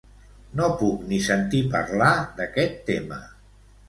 No puc ni sentir parlar d'aquest tema.